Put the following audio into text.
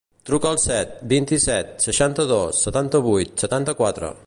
Truca al set, vint-i-set, seixanta-dos, setanta-vuit, setanta-quatre.